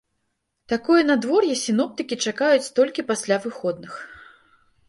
Такое надвор'е сіноптыкі чакаюць толькі пасля выходных.